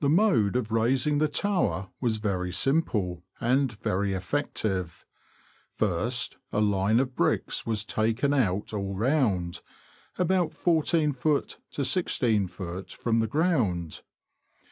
The mode of razing the tower was very simple and very effective. First, a line of bricks was taken out all round, about 14ft. to i6ft. from the ground.